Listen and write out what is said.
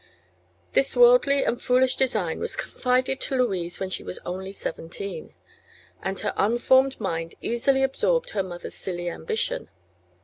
This worldly and foolish design was confided to Louise when she was only seventeen, and her unformed mind easily absorbed her mother's silly ambition.